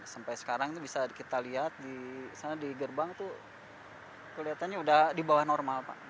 sampai sekarang itu bisa kita lihat di sana di gerbang itu kelihatannya sudah di bawah normal pak